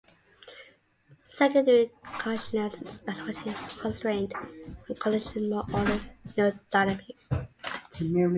Secondary consciousness is associated with constrained cognition and more ordered neurodynamics.